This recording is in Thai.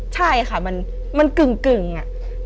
ใช่ค่ะมันกึ่งอะ